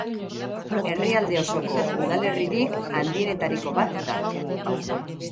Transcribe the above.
Herrialde osoko udalerririk handienetariko bat da.